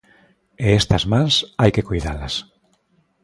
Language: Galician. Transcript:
E estas mans hai que coidalas.